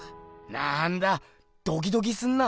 なんだドキドキすんな。